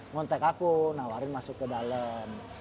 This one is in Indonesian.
ngontek aku nawarin masuk ke dalem